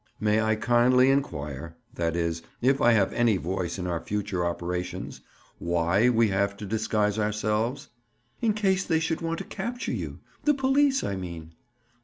"May I kindly inquire—that is, if I have any voice in our future operations—why we may have to disguise ourselves?" "In case they should want to capture you. The police, I mean."